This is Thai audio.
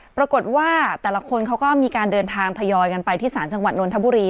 ปรากฏว่าแต่ละคนเขาก็มีการเดินทางทยอยกันไปที่ศาลจังหวัดนทบุรี